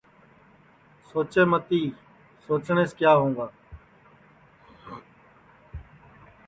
سوچے متی سوچٹؔیس کیا ہؤںگا